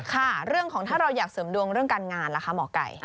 ค่ะเรื่องของถ้าเราอยากเสริมดวงเรื่องการงานล่ะคะหมอไก่